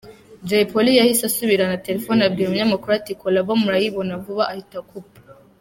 Jay Polly yahise asubirana telefone abwira umunyamakuru ati “Collabo murayibona vuba” ahita akupa.